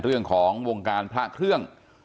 เรื่องของวงการพระเครื่อง